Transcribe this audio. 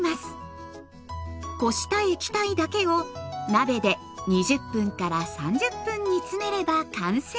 こした液体だけを鍋で２０３０分煮詰めれば完成。